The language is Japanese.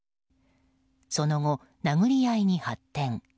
その後、殴り合いに発展。